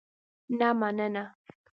نه مننه.